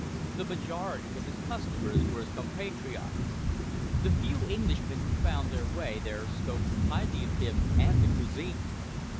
The majority of his customers were his compatriots. The few Englishmen who found their way there spoke highly of him and the cuisine.